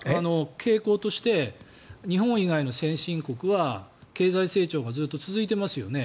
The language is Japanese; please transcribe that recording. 傾向として日本以外の先進国は経済成長がずっと続いていますよね。